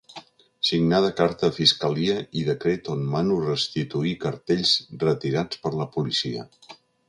Signada carta a fiscalia i decret on mano restituir cartells retirats per la policia.